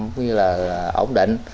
cũng như là ổn định